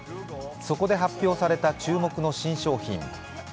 そこで発表された注目の新商品。